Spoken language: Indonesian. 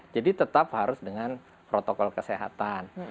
jadi tetap harus dengan protokol kesehatan